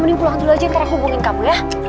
mending pulang dulu aja ntar hubungin kamu ya